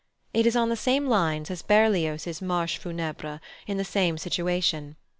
It is on the same lines as Berlioz's "Marche Funèbre" in the same situation.